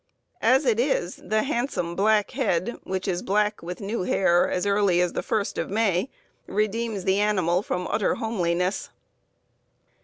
As it is, the handsome black head, which is black with new hair as early as the first of May, redeems the animal from utter homeliness.